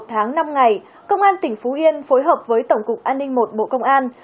một tháng năm ngày công an tỉnh phú yên phối hợp với tổng cục an ninh một bộ công an